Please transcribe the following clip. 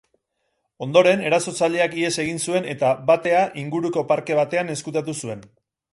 Ondoren erasotzaileak ihes egin zuen eta batea inguruko parke batean ezkutatu zuen.